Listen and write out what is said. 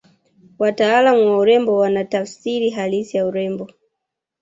wataalamu wa urembo wana tafsiri halisi ya urembo